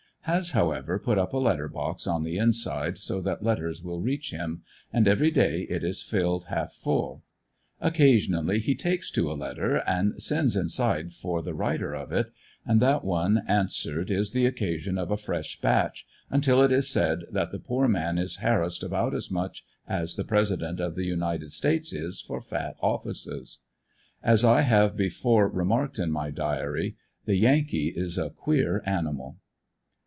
Has, however, put up a letter box on the inside so ti^at letters will reach him, and ever}' day it is filled half full. Occa sionally he takes to a letter and sends inside for the writer of it, and that one answered is the occasion of a fresh batch, until it is said that the poor man is harrassed about as much as the President of the United States is for fat offices As I have before remarked m my diary < the Yankee is a queer animal.